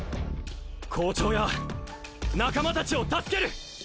校長や仲間たちを助ける